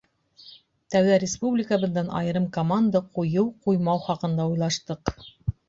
Тәүҙә республикабыҙҙан айырым команда ҡуйыу-ҡуймау хаҡында уйлаштыҡ.